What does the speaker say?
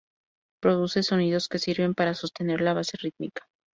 Produce sonidos que sirven para sostener la base rítmica.